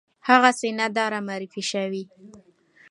هغسې نه ده رامعرفي شوې